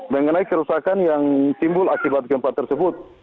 mengenai kerusakan yang timbul akibat gempa tersebut